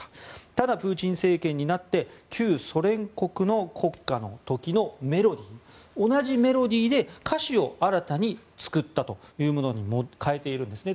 ただ、プーチン政権になって旧ソ連国の国歌の時と同じメロディーで歌詞を新たに作ったというものに変えているんですね。